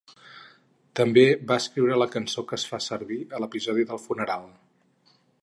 També va escriure la cançó que es fa servir a l'episodi del funeral.